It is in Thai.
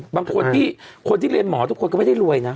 บางคนที่คนที่เรียนหมอทุกคนก็ไม่ได้รวยนะ